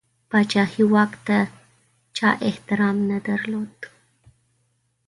پاچهي واک ته چا احترام نه درلود.